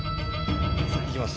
いきます。